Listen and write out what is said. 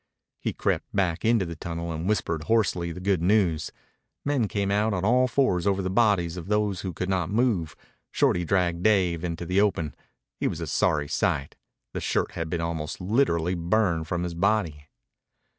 He crept back into the tunnel and whispered hoarsely the good news. Men came out on all fours over the bodies of those who could not move. Shorty dragged Dave into the open. He was a sorry sight. The shirt had been almost literally burned from his body.